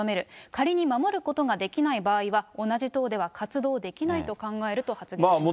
仮に守ることができない場合は、同じ党では活動できないと考えると、発言しました。